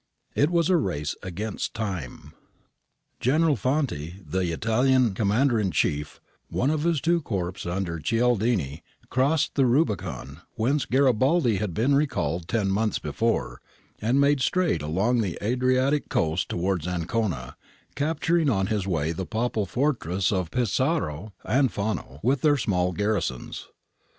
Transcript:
It was a race against time. General Fanti was the Italian commander in chief One of his two corps, under Cialdini, crossed the ' Rubicon ' whence Garibaldi had been recalled ten months before,^ and made straight along the Adriatic coast towards Ancona, capturing on his way the Papal fortresses of Pesaro and Fano with their small garrisons.